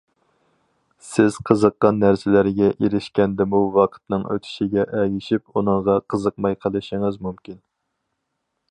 سىز قىزىققان نەرسىلەرگە ئېرىشكەندىمۇ ۋاقىتنىڭ ئۆتۈشىگە ئەگىشىپ ئۇنىڭغا قىزىقماي قېلىشىڭىز مۇمكىن.